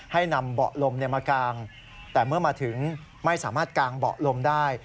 ให้นำเบาะลมมากางแต่เมื่อมาถึงไม่สามารถกางเบาะลมได้